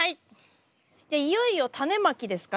じゃあいよいよタネまきですか？